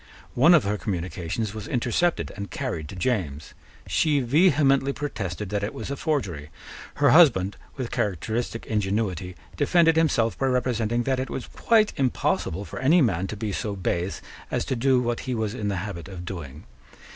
One of her communications was intercepted and carried to James. She vehemently protested that it was a forgery. Her husband, with characteristic ingenuity, defended himself by representing that it was quite impossible for any man to be so base as to do what he was in the habit of doing.